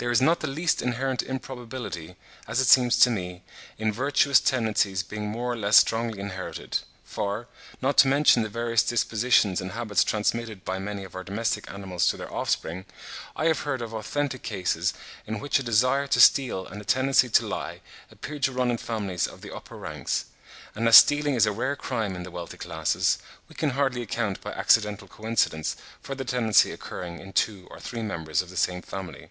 There is not the least inherent improbability, as it seems to me, in virtuous tendencies being more or less strongly inherited; for, not to mention the various dispositions and habits transmitted by many of our domestic animals to their offspring, I have heard of authentic cases in which a desire to steal and a tendency to lie appeared to run in families of the upper ranks; and as stealing is a rare crime in the wealthy classes, we can hardly account by accidental coincidence for the tendency occurring in two or three members of the same family.